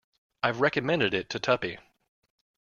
I've recommended it to Tuppy.